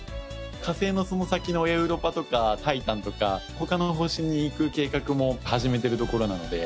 火星のその先のエウロパとかタイタンとか他の星に行く計画も始めてるところなので。